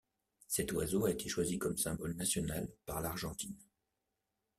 Cet oiseau a été choisi comme symbole national par l'Argentine.